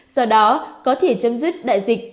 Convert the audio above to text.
do đó có thể chấm dứt đại dịch